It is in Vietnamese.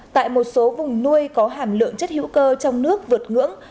tại một số vùng nuôi có hàm lượng chất hữu cơ trong nước vượt ngưỡng